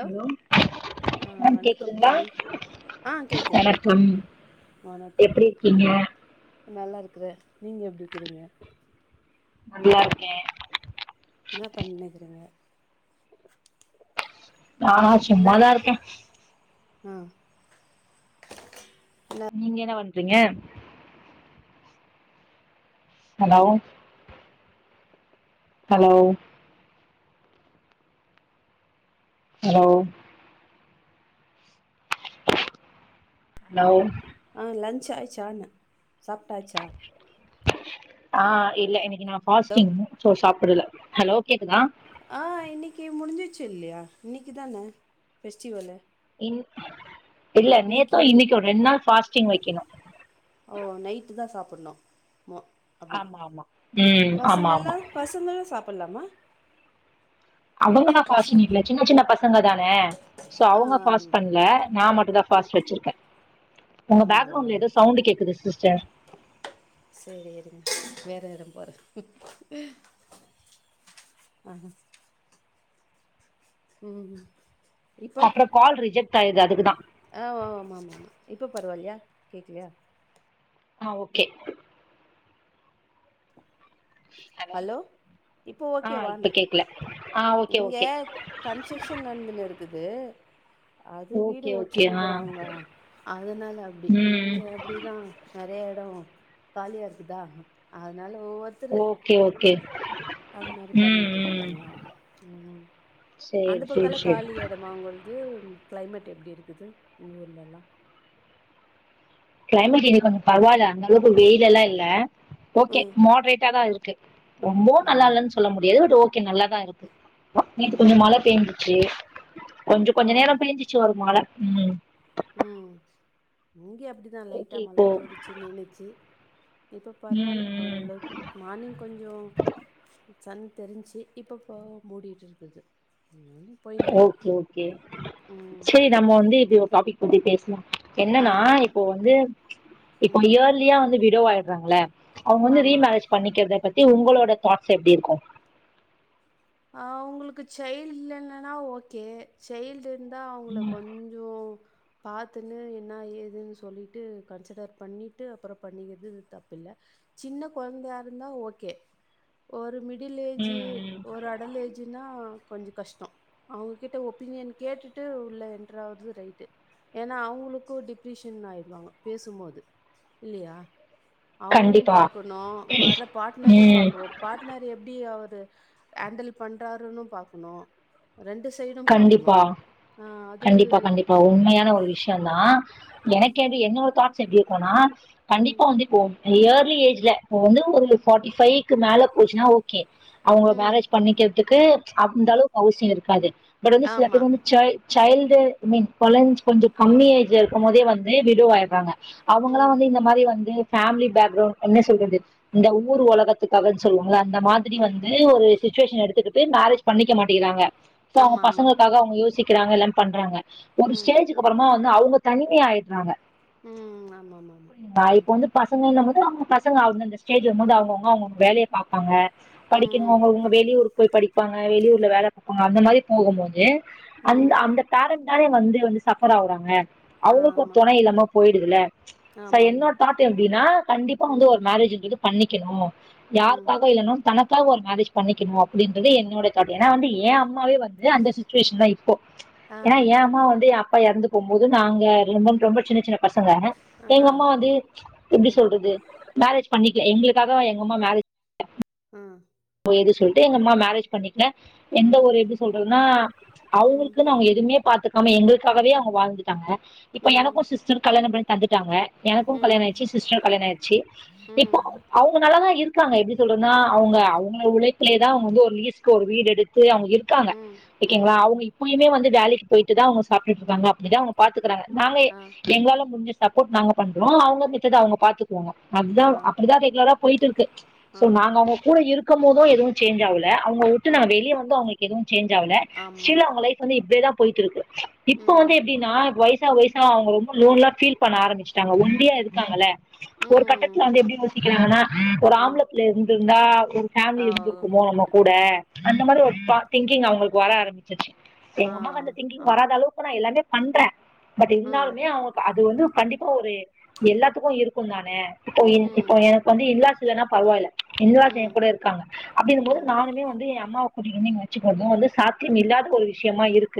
Hello ஆ ma'am வணக்கம் கேக்குதுங்களா தோழி ஆ கேக்குது கேக்குது வணக்கம் வணக்கம் எப்டி இருக்கீங்க நா நல்லாருக்குற நீங்க எப்டிக்கிறீங்க நல்லாருக்கே என்ன பண்ணிக்குறீங்க நானா என்ன சும்மாதா இருக்கே ஆ நீங்க என்ன பண்றீங்க ஹலோ ஹலோ ஹலோ ஹலோ ஆ லன்ச் ஆயுச்சா என்ன சாப்ட்டாச்சா ஆ இல்ல இன்னைக்கு நா ஹலோ ஃபாஸ்டிங் சோ சாப்புடல ஹலோ கேக்குதா ஆ இன்னைக்கு முடிஞ்சுச்சு இல்லயா இன்னைக்கு தான ஃபெஸ்டிவலு இன் இல்ல நேத்து இன்னைக்கு ரெண்ட் நாள் ஃபாஸ்டிங் வக்கணு ஓ நைட்டு தா சாப்புட்ணு மொ ஆமா ஆமா ம் ஆமா ஆமா பசங்களு சாப்புட்லாமா அவுங்கள்லா ஃபாஸ்டிங் பசங்க இல்ல சின்ன சின்ன பசங்க தான சோ ஆ அவுங்க ஆம். ஃபாஸ்ட் பண்ல நா மட்டுந்தா ஆ ஃபாஸ்ட் வச்சிருக்க உங்க ஆமாவா பேக்ரவுண்ட்ல ஏதோ சவுண்டு கேக்குது சிஸ்டர் சேரி இருங்க வேற எடம் போற ஆ ம் இப்போ அப்புற கால் ரிஜெக்ட் ஆயிருது அதுக்குதா ஆ ஆமா ஆமாமா இப்போ பரவாயில்லையா கேக்கலையா ஆ ஓகே ஹலோ இப்போ ஆ இப்ப ஓகேவான்ன கேக்கல ஆ ஓகே இங்க ஓகே கன்செஷன் நடந்துன்னு இருக்குது அது வீடு ஓகே ஓகே ஆ ஒச்சுன்னுக்கிறாங்க அதனால அப்டி ம் இங்க அப்டிதா நெறைய எடோ காலியாருக்குதா அதனால ஒவ்வொருத்தரு ஓகே ஓகே அது மாரி ம் ம் பண்ணிட்டுருப்பாங்க ம் சேரி அந்த சேரி பக்கலா சேரி காலி எடமா உங்கள்து கிளைமேட் எப்டி இருக்குது உங்க ஊர்லல்லா கிளைமேட் இன்னைக்கி கொஞ்ச பரவால்ல அந்தளவுக்கு வெயில் எல்லா இல்ல ஓகே ம் மாட்ரேட்டாதா இருக் கே ரொம்பவு ஆ நல்லா இல்லன் சொல்ல முடியாது பட் ஓகே நல்லாதா இருக்கு நேத்து கொஞ்சோ மழ ம் பெஞ்சிச்சு கொஞ்ச ஓ கொஞ்சோ நேரோ பெஞ்சிச்சு ஒரு மழ ம் இங்கயு அப்டிதா ஓகே லைட்டா மழ இப்போ தூரிச்சு நின்னுச்சு இப்ப பரவால்ல ம் ம் ஒரளவுக்கு மார்னிங் கொஞ்சோ சன் தெரிஞ்சு இப்பப்போ மூடிட்டு இருக்குது ம் போயினுக்குது ஓகே ஓகே ம் செரி நம்ம வந்து இப்டி ஒரு டாபிக் பத்தி பேசனு ஆ என்னன்னா இப்போ வந்து இப்போ ம் இயர் லியா வந்து விடோ ஆயிட்றாங்கல்ல அவுங்க வந்து ஆமா ரீமரேஜ் பண்ணிக்கிறத பத்தி உங்களோட தாட்ஸ் எப்டி இருக்கு அவுங்களுக்கு சைல்டு இல்லனன்னா ஓகே சைல்டு இருந்தா அவுங்க ம் கொஞ் சோ பாத்துன்னு என்ன ஏதுன்னு சொல்லிட்டு கன்சிடர் பண்ணிட்டு அப்றோ பண்ணிக்கிறது இது தப்பில்ல சின்ன கொழந்தையா இருந்தா ஓகே ஒரு மிடில் ஏஜ்ஜி ம் ம் ஒரு அடல் ஏஜுனா கொஞ்சோ கஷ்டோ அவுங்க கிட்ட ஒப்பீனியன் கேட்டுட்டு உள்ள இன்டர்றாவது ரைட்டு ஏன்னா அவுங்களுக்கு டிப்ரிஷ்ன் ஆயடுவாங்க பேசும்போது இல்லியா அவுங்களியு கண்டிப்பா பாக்குணு வர்ற பாட்னரையு ம் பாக்கணோ பாட்னர் எப்டி அவரு ஹேண்டல் பண்ணுறாருன்னு பாக்குணு ரெண்டு சைடு பாக்குணு ஆ அது இப்ப உண்மையான ஒரு விஷ்யதா ம், எனக்கு எது என்னொடா தாட்ஸ் எப்டி இருக்குனா ம், கண்டிப்பா வந்து இப்போ இயர்லி ஏஜ்ல இப்ப வந்து ஒரு ஃபோர்ட்டி ஃபைவ்க்கு மேல போச்சுன்னா ஓக் கே அவுங்ளுக் ம். மேரேஜ் பண்ணிக்கிறதுக்கு அந்த அளவுக்கு அவசிய இருக்காது பட் வந்து சில ஆமா. பேத்துக்கு வந்து சைல் சைல்டு மீன் கொழஞ்ச கொஞ்சோ கம்மி ஏஜ்ல இருக்கு போதே வந்து விடோவய்டுறாங்க அவுங்கலா ம், வந்து இந்த மாரி வந்து ஃபேமிலி பேக்ரவுண்ட் என்ன சொல்றது இந்த ஊர் உலகத்துக்காக சொல்லுவாங்க அந்த மாதிரி ம். வந்து ட்டு ஒரு சிச்சுவேஷன் எடுத்துக்கிட்டு மேரேஜ் பண்ணிக்க மாட்டேங்கிறாங்க ஆமா ஆமா காக அவுங்க யோசிக்கிறாங்க எல்ல பண்றாங்க ஒரு ம், ஸ்டேஜக்கு அப்றோமா வந்து அவுங்க தனி ஆய்டுறாங்க ம். ஆமாமாமா. நா ம், இப்போ வந்து பசங்கங்க போது அவுங்க பசங்க அந்தந்த ஸ்டேஜ்ஜி வருபோது அவுங்கவுங்க அவுங்க வேலய பாப்பாங்க படிக்கிணு ம், அவுங்கவுங்க வெளியூருக் போய் படிப்பாங்க வெளியூர்ல வேல பாப்பாங்க அந்த மாதிரி போகு போது அந்த ம். அந்த பேரண்ட் தானே அங்க வந்து வந்து சஃபர் ஆவுறாங்க அவுங்களுக்கு ஒரு ஆமா. தொணை இல்லாம போயிடுதுல சோ ஆமாமா. என்னோட தாட் எப்டின்னா கண்டிப்பா ம், வந்து ஒரு மேரேஜுன்றது பண்ணிக்கிணு ம். யாருக்காக இல்லனாலு தனக் கா ஒரு மேரேஜ் பண்ணிக்கிணு அப்டின்றது என்னோட தாட் ஏனா வந்து என் அம்மாவே வந்து அந்த சிச்சுவேஷன்ல இப்போ ஆ, ஏனா என் அம்மா வந்து என் அப்பா எறந்து போகுமோது நாங்க ரொம்ப ரொம்ப சின்ன சின்ன பசங்க ஆ, எங்க அம்மா வந்து எப்டி ம், சொல்றது மேரேஜ் பண்ணிக்கில எங்களுக்காக எங்கம்மா மேரேஜ் ம் [unintelligible] சொல்ட்டு எங்க அம்மா மேரேஜ் பண்ணிக்கல எந்த ம், ஒரு எப்டி சொல்றதுன்னா அவங்களுக்குனு அவுங்க எதுவுமே பாத்துக் ஆமா எங்களுக்காவவே அவுங்க வாழ்ந்துட்டாங்க ம், இப்ப ம், எனக்கு சிஸ்டர்க்கு கல்யாணோ பண்ணி தந்துட்டாங்க எனக்கு ம், கல்யணோ ஆயிச்சி சிஸ்டர் கல்யாண ஆயி ச்சி இப்போ ம், அவுங்க நல்லதா இருக்காங்க எப்டி சொல்றதுனா அவுங்க அவு ங்க உழைப்பிலேதா அவுங்க வந்து லீஸ்க்கு ஒரு வீடு எடுத் து அவுங்க இருக்காங்க ம், ஓகேங்ளா ம். அவுங்க இப்போயுமே வந்து வேலைக்கு போயிட்டுதா அவுங்க சாப்டுட்டு இருக்காங்க எதோ அவுங்க பாத்துக்கறாங்க நாங்க ஆ, எங்களால முடிஞ்ச சப்போர்ட் நாங்க பண்றோம் அவுங்க மிச்சத அவுங்க பாத்துக்குவாங்க அதுதா ஆ. அப்டிதா ரெகுலரா போயிட்டு இருக்கு ஆ நாங்க அவுங்க கூட இரு க்கும் போது எதுவு சேஞ்ச் ஆகல அவுங்க விட்டு ஆ நாங்க வெளிய வந்து அவுங்க எதுவு சேஞ்ச் ஆகல ஆமா ஸ்டில் அவுங்க லைஃப் வந்து இப்டியேதா போயிட்ருக்கு இப்ப ம் வந்து எப்டின்னா வை வயசா வயசா அவுங்க ரொம்ப லோன்லா ஃபீல் பண்ண ஆரம்பச்சிட்டாங்க ஒண்டியா இருக்காங்கல்ல ஒரு ம் கட்டத்துல வந்து எப்டி யோசிக்கிறாங்கனா ஒரு ம் ஆம்பல புள்ள இருந்திருந்தா ஒரு அப்டி ஆ இருந்திருக்குமோ நம்ம கூட அந்த மாரி ஒரு திங்கிங் அவுங்களுக்கு வர ஆரம்பச்ச ஆ எங்க அம்மாக்கு அந்த திங்கிங் ஆம் வராத அளவுக்கு நா எல்லாமே பண்ற பட் ம் இருந்தாலுமே அவுங்களுக்கு அது வந்து கண்டிப்பா ஒரு எல்லாத்துக்கு இருக்குந்தான இப்போ இன் ம் இப்போ எனக்கு வந்து இன்லாஸ் இல்லன்னா பரவாயில்ல இன்லாஸ் என் ம் கூட இருக் காங்க அப்டி இருக்கும்போது ம் நானுமே வந்து என் அம்மாவ கூட்டி வந்து இங்க வச்சிக்கற்து வந்து சாத்தியம் இல்லாத ஒரு விஷியமா இருக்கு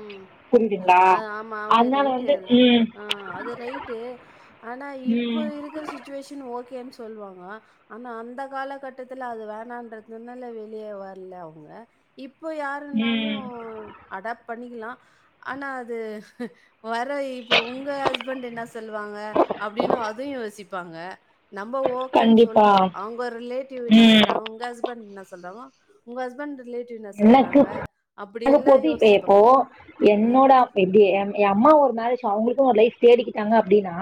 ம் புரிதுங்ளா அது ஆமா அவ அதுனால ரைட்டு வந்து அது எ ஆ அது ரைட்டு ஆனா இப்ப ம் இருக்க சிச் சுவேஷன் ஓகேனு சொல்லுவாங்க ஆனா அந்த காலகட்டத்துல அது வேணான்றதுனால வெளிய வரல அவுங்க இப்போ யாருனாலியு ம் அடாப் பண்ணிக்குலா ஆனா அது வர இப்ப உங்க ஹஸ்பண்ட் என்ன சொல்லுவாங்க அப்டினு அது யோசிப்பாங்க நம்போ ஓகேனு கண்டிப்பா சொல்றோ அவுங்க ஒரு ரிலேட்டிவ் என்னா ம் சொல்றாங்கோ உங்க ஹஸ்பண்ட் என்னா சொல்றாங்கோ உங்க ஹஸ்பண்ட் ரிலேட்டிவ் என்ன எனக்கு சொல்றாங்க அப்டி அங்க எல்லா போது இப்ப யோசிப்போ இப்போ என்னோட அப் எப்டி எ எ அம்மா ஒரு மேரேஜ் அவுங்களுக்கு ஒரு லைஃப் தேடிக்கிட்டாங்க அப்டினா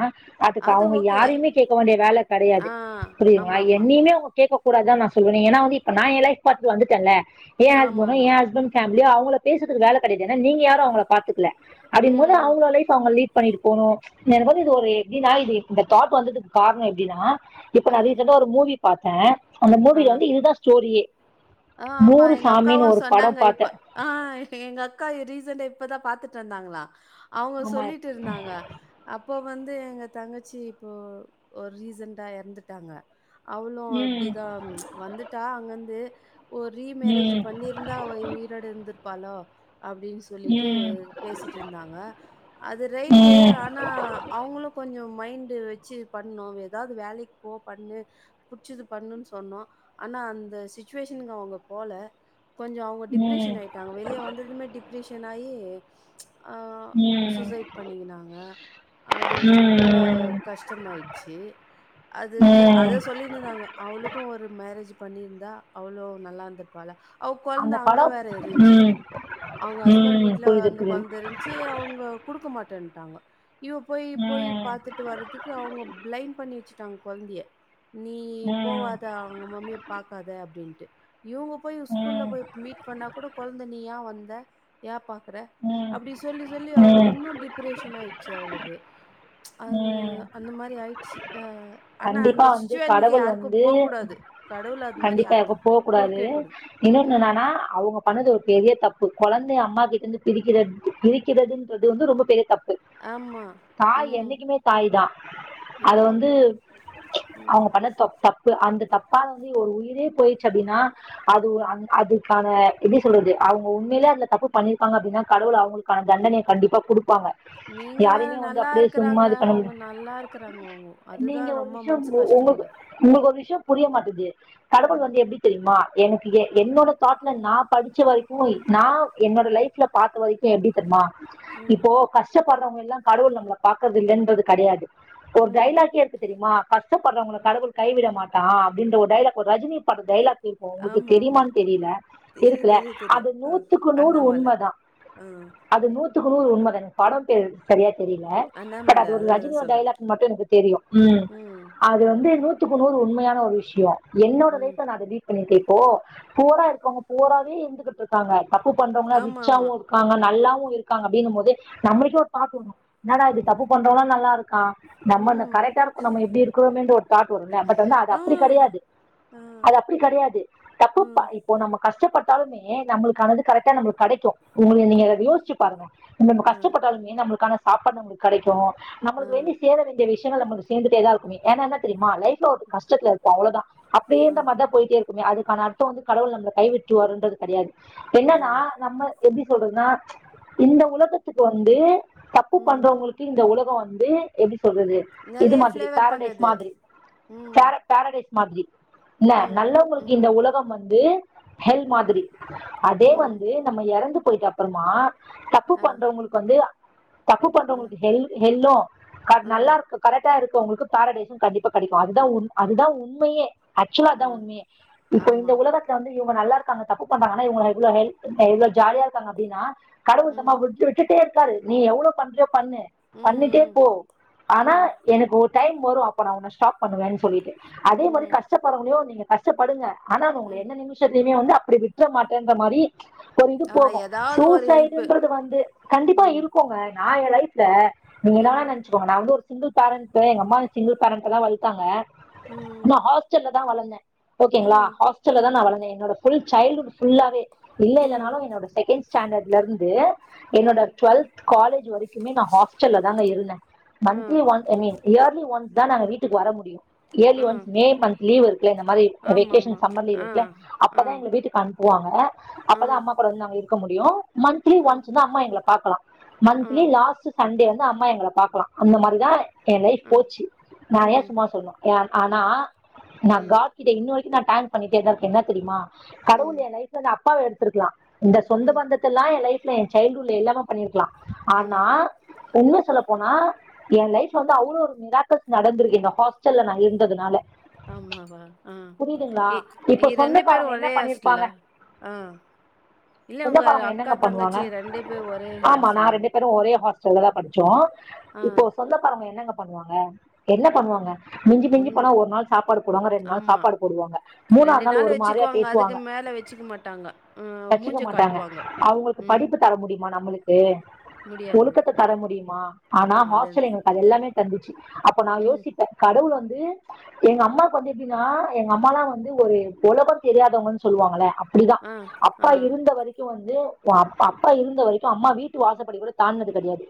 அதுக்கு அது அவுங்க ஓகே. யாரையுமே கேட்க வேண்டிய வேல கெடையாது ஆ புரிதுங்ளா ஆமாமா. என்னையுமே அவுங்க கேட்க கூடாதுதா நா சொல்வ ஏனா வந்து இப்ப நா என் லைஃப் பாத்துட்டு வந்துட்டன்ல என் ஹஸ்பண்ட் ஆமாமா. என் ஹஸ்பண்ட் ஃபேமுலி அவுங்கள பேசுறதுக்கு வேல கெடையாது ஏனா நீங்க யாரு அவுங்கள பாத்துக்கல அப்டிங்குபோது ம், அவுங்க லைஃப் அவுங்க லீட் பண்ணிட்டு போனு எனக்கு வந்து இது ஒரு எப்டின்னா இது இந்த தாட் வந்ததுக்கு காரணோ எப்டின்னா இப்ப ம், நா ம். ரீசண்டா ஒரு மூவி பாத்த அந்த ஆ. மூவில வந்து இதுதா ஸ்டோரியே ஆ ஆமா நூறு எங்க அக்காவு சாமின்னு ஒரு சொன்னாங்க படம் இப்ப பாத்தேன் ஆ எங்க அக்கா ரீசண்டா இப்பதா பாத்துட்டு இருந்தாங்ளா அவுங்க ஆமா சொல்லிட்டு இருந்தாங்க அப்போ வந்து எங்க தங்கச்சி இப்போ ஒரு ரீசண்டா இறந்துட்டாங்க அவளு ம் அப்டிதா வந்துட்டா அங்கந்து ஒரு ரீமேரேஜ் ம் பண்ணியிருந்தா அவ உயிரோடு இருந்திருப்பாளோ அப்டின்னு சொல்லிட்டு ம் பேசிட்டு இருந்தாங்க அது ரைட்டு ம் ஆனா அவுங்களு கொஞ்சோ மைண்டு வெச்சு பண்ணு ஏதாது வேலைக் போ பண்ணு புட்ச்சுது பண்ணுனு சொன்னோ ஆனா அந்த ச்சுவேஷன் னுங்க அவுங்க போல கொஞ்சோ அவுங்க ம் டிப்ரஷன் ஆயி ட்டாங்க வெளிய வந்ததுமே டிப்ரஷன் ஆயி ஆ ம் சூசைட் பண்ணிக்கினாங்க அது ரொம்ப ம் கஷ்டமாயிச்சி அதுக்கு அத ம் சொல்லிட்டு இருந்தாங்க அவுளுக்கு ஒரு மேரேஜ் பண்ணிருந்தா அவ்ளு நல்லா இருந்திருப்பால அவ கொழந்த அந்த அங்கே படம் வேற இருந்துச்சு ம் அவுங்க ஹஸ்பண்ட் ம் வீட்ல புரியுது அந்த புரியுது கொழந்த இருந் துச்சு அவுங்க குடுக்க மாட்டேட்டாங்க இவ போய் போய் ம் பாத்துட்டு வரத் க்கு அவுங்க பிளைம் பண்ணி வச்சுட்டாங்க கொழந்தய நீ ம் போவாத அவுங்க மம்மிய பாக்காத அப்டின்ட்டு இவுங்க போய் ஸ்கூல்ல ம் போய் மீட் பண்ணா கூட கொழந்த நீ ஏ வந்த ய பாக்குற ம் அப்டி சொல்லி சொல்லி அவளுக்கு ம் இன்னு டிப்ரெஷன் ஆயிச்சு அவளுக்கு ம்ச் அது ம் அந்த மாரி ஆயிச்சு ஆ ஆனா கண்டிப்பா அந்த வந்து சுச்சுவேனுக்கு கடவுள் யாருக்கு வந்து போ கூடாது கடவுள் அது மாரி யாருக் போவகூடாது இன்னொன்னு என்னன்னா அ அவுங்க பண்ணது ஒரு பெரிய தப்பு கொழந்தை அம்மா கிட்ட இருந்து பிரிக்றத் பிரிக்கிறதுன்றது வந்து ரொம்ப பெரிய தப் பு ஆமா. தாய் ம். என்னைக்குமே தாய் தா அத ம். வந்து அவுங்க ம் பண்ணது தப்பா து அந்த தப்பால வந்து ஒரு உயிரே போயிட்ச்சி அப்டின்னா அதுவு ம் அது அதுக் நாம எப்டி சொல்றது அவுங்க உண்மையிலே அந்த தப்பு பண்ணிருக்காங்க அப்டின்னா கடவுள் அவுங்களுக்கான தண்டனைய கண்டிப்பா குடுப்பாங்க நீங்க வேற யாரையுமே வந்து நல்லா அப்படியே சும்மா இருக்குறாங்க இது பண்ண அவங்க முடியாது நல்லா இருக்குறாங்கோ அவங்க அதுதா ரொம்ப மனசுக்கு ஒ உங்களுக்கு உங்களுக்கு ஒரு விஷியோ புரிய மாட்டேது கடவுள் ம் வந்து எப்டி தெரிமா எனக்கு எ என்னோட தாட்ல நா படிச்ச வரைக்கு நா என்னோட லைஃப் லைப்ல பாத்த வரைக்கு எப்டி தெரிமா ம் இப்போ கஷ்டப்படுறவங்க எல்லா கடவுள் நம்ள பாக்குறத் இல்லைன்றது கெடையாது ஒரு ம். டைலாக்கே இருக்கு தெரியுமா கஷ்டப்படுறவங்கள கடவுள் கைவிட மாட்டா அப்டின்ற ஒரு டைலா ஒரு ரஜினி பட டைலாக் இப்ப உங்ளுக்கு ஆமாமா. தெரியுமான்னு தெரியல தெரியும், இருக்குல தெரியும், அது தெரியும். அ நூத்துக்கு நூறு அண்ணாமலை. உண்மதா ஆ அது நூத்துக்கு நூறு உண்மதா எனக் படொ பெரு சரிய தெரியில அ பட் அது அண்ணாமலை ஒரு அதுல தான் ரஜினியோ சொல்றாரு. டைலாக் மட்டு எனக்கு தெரியு உம் ம் அது ம் வந்து நூத் நூத்துக்கு நூறு உண்மையான ஒரு விஷியோ என்னோட ம். லைஃப்ல அத நா விட் பண்ணிருக்க இப்போ புவரா இருக்கவங்க புவராவே இருந்துகுட்டு இருக்காங்க தப்பு பண்றவங்களா ரிச்சாவு ஆமாமா. இரு கங்க நல்லாவு இருக்காங்க அப்டின்னும் போது நம்மளுக்கே ஒரு [unintelligible] தோனு என்னடா இது ம் தப்பு பண்றோவ்லா நல்லா இருக்கா நம்ம ந ம். கரெக்டா இருக்கோ நம்ம இப்டி இருக்கோமென்ற ஒ தாட் வரு இல்ல பட் வந்து அது ஆ அப்படி கெடையாது ஆ அது அப்படி கெடையாது தப்புப்பா ம். இப்போ நம்ம கஷ்டப்பட்டாலுமே நம்புளுக்கானது கரெக்டா நம்புளுக்கு கெடைக்கு உங்கள நீங்க அத யோசிச்சி பாருங்க நம்ம ஆ கஷ்டப்பட்டாலுமே நம்பளுக்கான சாப்பாடு நம்மளுக்கு கடைக்கு ஆ ஆ நம்மளுக்கு வேண்டிய சேர வேண்டிய விஷியங்கள் நம்மளுக்கு சேந்துட்டேதா இருக்குமே ஏன்னான தெரியுமா லைப்ல ஒரு கஷ்டத்துல இருப்போ அவ்வளொதா ஆ அப்டியேருந்த மாரிதா போயிட்டே இருக்குங்க அதுகான அர்தொ வந்து கடவுள் நம்மள கை விட்றுவாருண்ரது கெடையாது ஆ. என்னனா நம்ம எப்டி சொல்றதுன்னா ம்ச் இந்த உலகத்துக்கு வந்து தப்பு ம். பண்றவங்களுக்கு இந்த உலகோ வந்து எப்டி சொல்றது இது நெறைய மாதிரி ஃப்ளேவர் போரடைஸ் பண்ணது. மாதிரி ம் பேர பேரடைஸ் மாதிரி இன்ன ம் ம் நல்லவொங்களுக்கு இந்த உலகம் வந்து ஹெல் ம் மாதிரி அதே ம். வந்து நம்ப எறந்து போயிட்ட அப்றமா தப்பு ஆ பண்றவுங்களுக்கு வந்து தப்பு ஆ பண்றவங்களுக்கு ஹெல் ஹெல்லு க ஆ நல்லா இருக்க கரெக்டா இருக்கவுங்களுக்கு போரடைசு கண்டிப்பா கெடைக்கு அதுதா உண் அதுதான் உண்மையே ப ஆக்சுவலா ஆ அதா உண்மயே இப்ப ஆமா. இந்த உலகத் இப்ப வந்து இவுங்க நல்லாருக்காங்க தப்பு பண்றாங்க அன இவுங்க ரெகுளரா எவ்ள எள் ஜாலியா இருக்காங்கப்டின்னா கடவுள் சும்மா ம். விட் விட்டுட்டே இருக்காரு நீ எவ்ளோ பண்றியொ பண்ணு ம், பண்ணிட்டே ம். போ ஆனா ம். எனகு ஒரு டைம் வரு அப்பொ நா உன்ன ஸ்டாப் பண்ணுவேனு சொல்லிட்டு அதே மாரி ம். கஷ்டப்பறவங்களையு நீங்க கஷ்ட படுங்க ஆனா நா உன்ன ம். எந்த நிமிஷத்தியுமே வந்து அப்டி விட்ற மாட்டேன்ற மாரி ம்ச் இது ஆ போது ஏதாவது ஒரு ஹெல்ப்பு. சூசைடுன்றது வந்து கண்டிப்பா ம். இருக்குங்க நா எ லைஃப்ல நீங்க ம். என்னாவென ப்போ நா வந்து ஒரு சிங்குள் பேரண்ட்டு எங்க அம்மாவு சிங்குள் பேரண்ட்டாதா வளத்தாங்க நா ம். ஹாஸ்டல்ல தா வளந்தே ஓக்கேங்ளா ம். ஹாஸ்டல்ல ம். தா நா வளந்தே என்னோட ஃபுல் சைல்ட்டு ஃஉட் புல்லாவே இல்ல ம். இல்லனாலு என்னோட செகண்ட் ஸ்டாண்டர்ட்ல இருந்து என்னோட ம். டுவெல்த் காலேஜ் வரைக்குமே நா ஹாஸ்டல்ல தாங்க இருந்தேன் ஆ. Monthly once I mean yearly once தா நாங்க வீட் வீட்டுக்கு வர முடியும் இயர்லி ஆ. ஒன்ஸ் மே மந்த் லீவு இருக்குல இந்த மாரி ஆமாமா. வெகேஷன் சம்மர் லீவ் ஆ. இருக்குல ஆ. அப்பதா எங்கள வீட்டுக்கு அனுப்புவாங்க ஆ. அப்பதா அம்மா கூட வந்து நாங்க இருக்க முடியு மந்த்லி ஆ. ஒன்ஸ் வந்து அம்மா எங்கள பாக்கலாம் ஆ. மந்த்லி லாஸ்ட் சண்டே வந்து அம்மா எங்கள பாக்கலா அந்த மாரிதா ஆ. என் லைஃப் ஆ. போச்சி நா ஏன் ம். சும்மா சொல்லனு என் அண் அண் நா ம். நா ம். காட் கிட்ட இன்னு வரைக்கு நான் தேங்க் பண்ணிட்டேதா இருக்கேன் என்ன தெரிமா கடவுள் ம். என் லைஃப் எங்க அப்பாவ எடுத்துருக்கலா இந்த சொந்த ம். பந்தத்தல்லா என் லைஃப்ல என் சைல்டுஹுட்ல இல்லாம பண்ணிருக்கலா ம். ஆனா உண்மைய சொல்லபோனா எ லைஃப் வந்து அவ்ளவு ஒரு மிராக்கல்ஸ் நடந்திருக்கு என் ஹாஸ்டல்ல நா இருந் ததுனால ஆமாவா ஆ எ இப்போ எ ரெண்டு பேரும் சொந்தக்காரங்க என்ன ஒரே ஹாஸ்டல பண்ணிருப்பாங்க ஆ இல்ல உங்க சொந்தக்காரங்க அக்கா என்னங்க பண்ணுவாங்க தங்கச்சி ரெண்டு பேரு ஒரே ஹாஸ்டலா சொல்லதா படிச்சோ இப்போ சொந்தகாரங்க என்னங்க பண்ணுவாங்க என்ன பண்ணுவாங்க மிஞ்சு மிஞ்சு ஒன் போனா ஒரு நாள் சாப்பாடு போடுவாங்க ரெண்டு நாள் ஆமா. சாப்பாடு போடுவாங்க மூணாது நாள் ஒரு மாரியா வச்சுக்குவாங்க. அதுக்கு பேசுவாங்க மேல வச்சுக்க மாட்டாங்க. அ வச்சுக்க மூஞ்ச மாட்டாங்க காட்டுவாங்க. அவுங்களுக்கு ம். படிப்பு தர முடியுமா நம்பளுக்கு முடியாது. ஒழுக்கத்த தர முடியுமா ஆனா அதன் ஹாஸ்டல் எங்களுக்கு அது எல்லாமே தந்துச்சி அப்ப நா ம். யோசிப்பேன் கடவுள் வந்து எங்க அம்மாக்கு வந்து எப்டின்னா எங்க அம்மாலா வந்து ஒரு உலகம் தெரியாதவங்கன் சொல்வாங்கள அப் அப்டிதா ஆ, ஆ, அப்பா இருந்த வரைக் க்கு வந்து அப்பா அப்பா இருந்த வரைக்கு அம்மா வீட்டு வாசப்படி கூட தாண்டுனது கெடையாது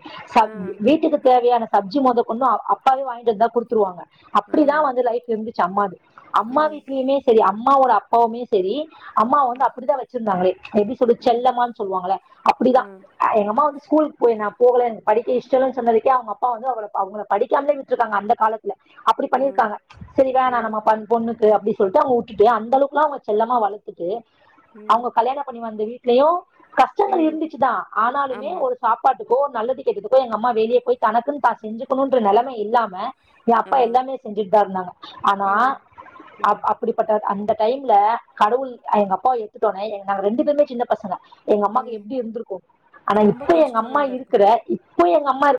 ஆ, சப் வீட்டுக்கு தேவையான சப்ஜி மொத கொண்டு அ அப்பாவே வாங்கிட்டு வந்தா குடுத்துருவாங்க ஆ. அப்டிதா வந்து லைஃப் இருந்துச்சி அம்மாது அம்மா ம், வீட்லையுமே சரி அம்மாவோட அப்பாவுமே சரி அம்மாவ வந்து ம், அப்டிதான் வச்சிருந்தாங்களே எப்படி சொல்றது ம். செல்லம்மா சொல்லுவாங்கள அப்டிதா ஆ, எங்கம்மா வந்து ஸ்கூல்க்கு போய் நா போவலே படிக்க இஷ்டல்ல சொன்னதுக்கே அவுங்க அப்பா வந்து அவல அவுங்கல படிக்காமே விட் விட்ருக்காங்க அந்த காலத்துல அப்டி ஆ, பண்ணிருக்காங்க சரி ஆ. வேனா நம்ப பண் பொண்ணுக்கு அப்டி சொல்டு அவுங்க உட்டுட்டு அந்தளவுக்குலா அவுங்க செல்லமா வளர்த்து ட்டு ம், அவுங்க கல்யாணம் பண்ணி வந்த வீட்டுலையு கஷ்டங்கள் ம். இருந்துச்சி தா ஆனாலுமே ஆமா. ஒரு சாப்பாட்டுக்கோ நல்லது கெட்டதுக்கோ எங்க அம்மா வெளிய போய் தனக்குன்னு தா செஞ்சுக்கணூன்ற நெலமை இல்லாம என் ஆ. அப்பா எல்லாமே செஞ்சுட்டு தா இருந்தாங்க ஆனா ம், அப் ம், அப் அப்டிப்பட்ட அ அந்த டைம்ல கடவுள் எங்க அப்பாவ எடுத்துட்டோன எங் நாங்க ரெண்டு பேருமே சின்ன பசங்க எங்க அம்மாக்கு ம். எப்டி இருந்திருக்கும் ஆனா ரொம்ப இப்ப எங்க கஷ்டமா அம்மா தான் இருக்கும் இருக்குற இப்போ எங்க அம்மா இரு